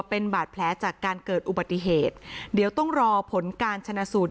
เป็นบาดแผลจากการเกิดอุบัติเหตุเดี๋ยวต้องรอผลการชนะสูตร